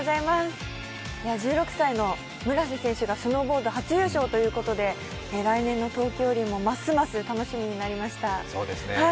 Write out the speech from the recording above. １６歳の村瀬選手がスノーボード初優勝ということで来年の冬季五輪もますます楽しみになりました。